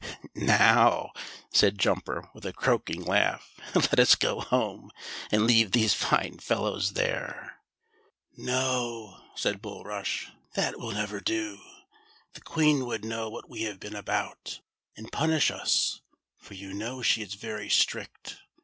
"Now," said Jumper, with a croaking laugh, "let us go home and leave these fine fellows there." "No," said Bulrush, "that will never do; the Queen THE SILVER PIS If. 41 voukl know what wc liavc been about, and punish us, for \ ou know she is very strict.